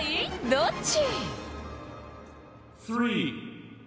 どっち？